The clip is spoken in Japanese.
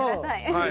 はい！